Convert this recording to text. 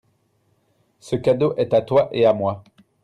Ce cadeau est à toi et à moi.